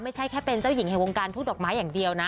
ไม่ใช่แค่เป็นเจ้าหญิงแห่งวงการทูตดอกไม้อย่างเดียวนะ